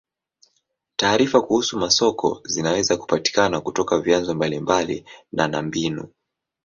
Taarifa kuhusu masoko zinaweza kupatikana kutoka vyanzo mbalimbali na na mbinu.